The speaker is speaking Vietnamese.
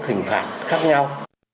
hình phạt khác nhau